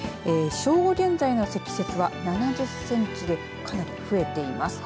正午現在の積雪は７０センチでかなり増えています。